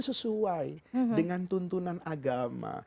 sesuai dengan tuntunan agama